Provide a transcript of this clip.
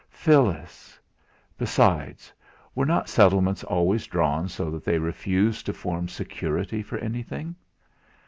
Phyllis! Besides, were not settlements always drawn so that they refused to form security for anything?